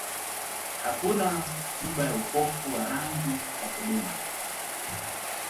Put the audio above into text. Hakuna tiba ya upofu wa rangi wa kudumu.